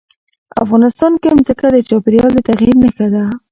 افغانستان کې ځمکه د چاپېریال د تغیر نښه ده.